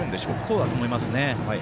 そうだと思います。